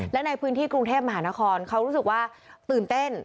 และในพื้นที่กรุงเทพมหานครเขารู้สึกว่าตื่นเต้น